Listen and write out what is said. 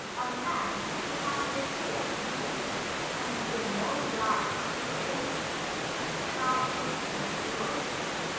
A man who has the soul to think and be the moral guide of his own nation and of the whole world."